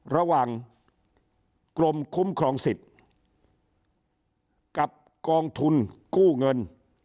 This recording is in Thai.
ระหว่างกรมคุ้มครองสิทธิ์กับกองทุนกู้เงิน